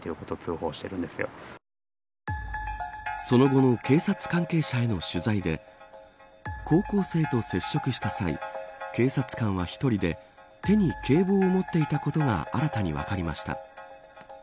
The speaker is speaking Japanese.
その後の警察関係者への取材で高校生と接触した際警察官は１人で手に警棒を持っていたことが新たに分かりました。